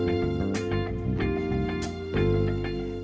kita bisa berjalan ke atas